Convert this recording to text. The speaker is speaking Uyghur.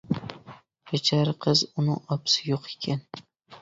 بىچارە قىز، ئۇنىڭ ئاپىسى يوق ئىكەن.